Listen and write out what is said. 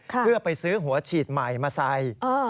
เพื่อไปซื้อหัวฉีดใหม่มาใส่